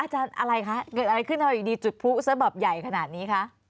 อาจารย์อะไรขึ้นแล้วอยู่ดีจุดพู้สบอบใหญ่ขนาดนี้ค่ะ